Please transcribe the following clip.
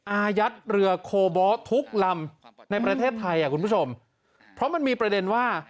อายัดเรือโคบอลทุกลำในประเทศไทยอ่ะคุณผู้ชมเพราะมันมีประเด็นว่า